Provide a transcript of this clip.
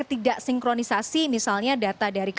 ada ketidaksinkronisasi misalnya data dari kk